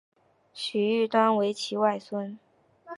许育瑞为其外孙。